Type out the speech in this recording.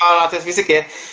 oh tes fisik ya